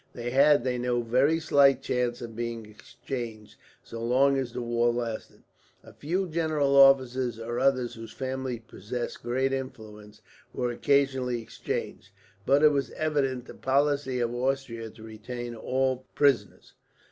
They had, they knew, very slight chance of being exchanged so long as the war lasted. A few general officers, or others whose families possessed great influence, were occasionally exchanged; but it was evidently the policy of Austria to retain all prisoners.